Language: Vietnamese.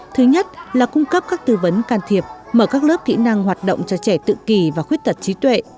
thứ nhất là cung cấp các tư vấn can thiệp mở các lớp kỹ năng hoạt động cho trẻ tự kỳ và khuyết tật trí tuệ